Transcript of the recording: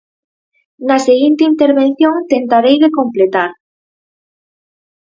Na seguinte intervención tentarei de completar.